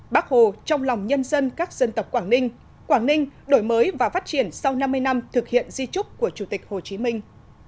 bác hồ trong lòng nhân dân các dân tộc quảng ninh quảng ninh đổi mới và phát triển sau năm mươi năm thực hiện di trúc của chủ tịch hồ chí minh